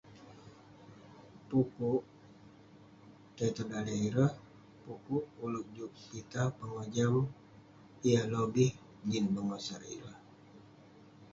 Pu'kuk tai tong daleh ireh..pu'kuk ulouk juk pitah pengojam, yah lobih jin bengosak ireh,